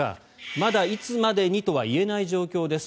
まだ、いつまでにとは言えない状況です。